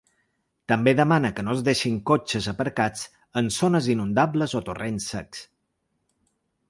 També demana que no es deixin cotxes aparcats en zones inundables o torrents secs.